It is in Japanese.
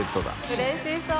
うれしそう！